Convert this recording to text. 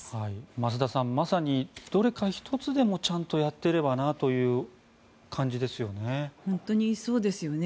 増田さん、まさにどれか１つでもちゃんとやっていればなという感じですよね。